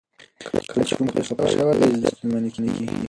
کله چې ښوونکي خفه شوي وي، زده کړې ستونزمنې کیږي.